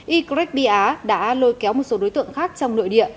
ycret bia đã lôi kéo một số đối tượng khác trong nội địa